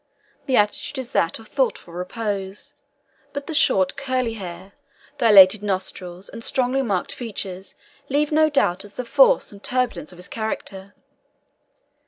The attitude is that of thoughtful repose, but the short, curly hair, dilated nostrils, and strongly marked features leave no doubt as to the force and turbulence of his character.